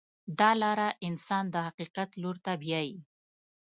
دا لاره انسان د حقیقت لور ته بیایي.